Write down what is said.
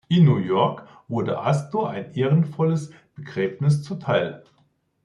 In New York wurde Astor ein ehrenvolles Begräbnis zuteil.